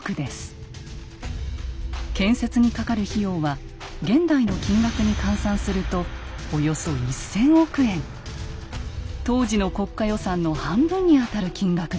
建設にかかる費用は現代の金額に換算すると当時の国家予算の半分にあたる金額です。